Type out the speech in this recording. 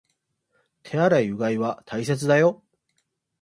手洗い、うがいは大切だよ